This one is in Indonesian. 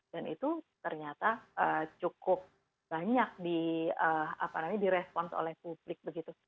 dan itu ternyata cukup banyak direspon oleh publik begitu